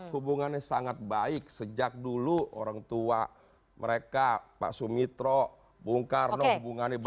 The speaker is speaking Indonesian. hubungannya sangat baik sejak dulu orang tua mereka pak sumitro bung karno hubungannya baik